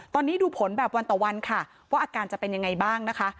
ตอนนี้ดูผลแบบวันต่อวันค่ะว่าอาการจะเป็นยังไงบ้างนะคะ